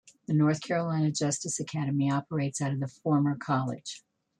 The North Carolina Justice Academy operates out of the former college.